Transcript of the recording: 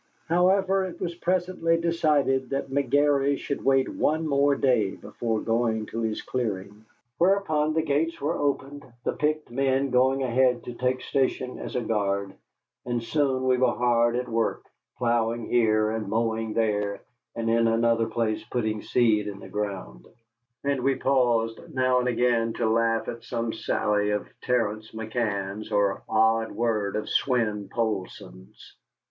However, it was presently decided that McGary should wait one more day before going to his clearing; whereupon the gates were opened, the picked men going ahead to take station as a guard, and soon we were hard at work, ploughing here and mowing there, and in another place putting seed in the ground: in the cheer of the work hardships were forgotten, and we paused now and again to laugh at some sally of Terence McCann's or odd word of Swein Poulsson's.